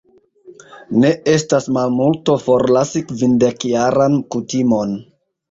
Ne estas malmulto, forlasi kvindekjaran kutimon.